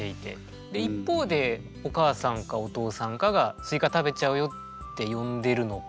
で一方でお母さんかお父さんかが「スイカ食べちゃうよ」って呼んでるのか。